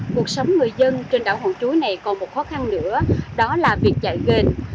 cuộc sống người dân trên đảo hòn chuối này còn một khó khăn nữa đó là việc chạy gan